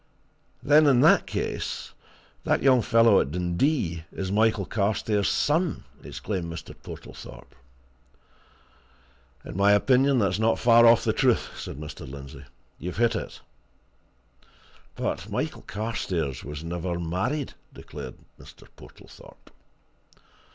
"Then in that case that young fellow at Dundee is Michael Carstairs' son?" exclaimed Mr. Portlethorpe. "And, in my opinion, that's not far off the truth," said Mr. Lindsey. "You've hit it!" "But Michael Carstairs was never married!" declared Mr. Portlethorpe.